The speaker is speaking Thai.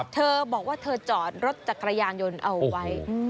เธอบอกว่าเธอจอดรถจักรยานยนต์เอาไว้